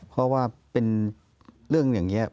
เพราะว่าเป็นเรื่องอย่างนี้